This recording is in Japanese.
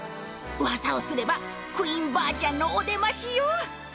うわさをすればクインばあちゃんのお出ましよ。